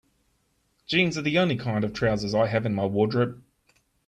Jeans are the only kind of trousers I have in my wardrobe.